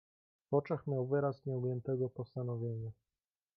"W oczach miał wyraz nieugiętego postanowienia."